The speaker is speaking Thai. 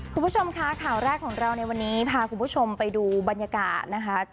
คุณผู้ชมคะข่าวแรกของเราในวันนี้พาคุณผู้ชมไปดูบรรยากาศนะคะ